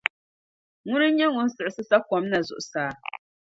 Ŋuna n-nyɛ ŋun siɣisi sa’ kom na zuɣusaa.